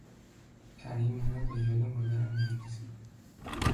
پری مرا به یاد مادرم میاندازد.